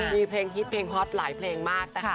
มีเพลงฮิตเพลงฮอตหลายเพลงมากนะคะ